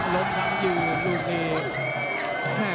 ล้มทางยืนลูกนี้